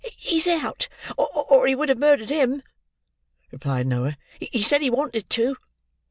he's out, or he would have murdered him," replied Noah. "He said he wanted to."